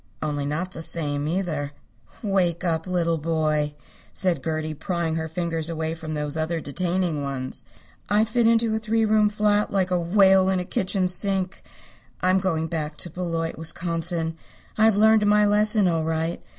Only not the same, either." "Wake up, little boy," said Gertie, prying her fingers away from those other detaining ones. "I'd fit into a three room flat like a whale in a kitchen sink. I'm going back to Beloit, Wisconsin. I've learned my lesson all right.